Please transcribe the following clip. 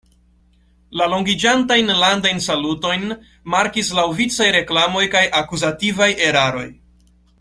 La longiĝantajn landajn salutojn markis laŭvicaj reklamoj kaj akuzativaj eraroj.